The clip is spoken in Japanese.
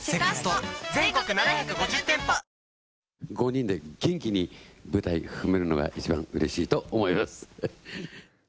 ５人で元気に舞台踏めるのが一番うれしいと思います。